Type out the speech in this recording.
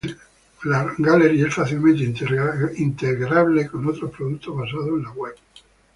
Gallery es fácilmente integrable con otros productos basados en web.